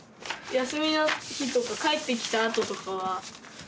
休みの日とか帰ってきたあととかは学校から。